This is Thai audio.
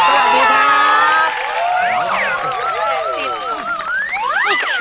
สิขอใหญ่หน่อยได้ไหม